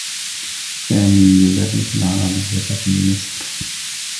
سامي يدرّس العربيّة في مصر.